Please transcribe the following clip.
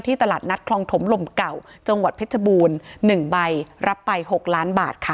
ตลาดนัดคลองถมลมเก่าจังหวัดเพชรบูรณ์๑ใบรับไป๖ล้านบาทค่ะ